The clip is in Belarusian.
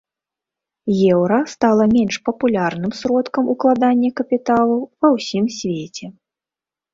Еўра стала менш папулярным сродкам укладання капіталу ва ўсім свеце.